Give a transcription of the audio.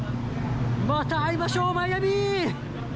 また会いましょう、マイアミ！